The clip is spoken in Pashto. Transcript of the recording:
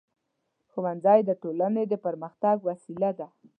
ښوونځی د ټولنې د پرمختګ وسیله ده.